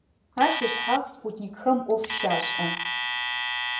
Ащ ышъхьагъ спутникхэм Ӏоф щашӀэ.